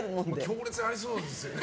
強烈にありそうですよね